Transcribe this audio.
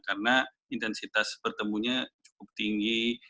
karena intensitas bertemunya cukup tinggi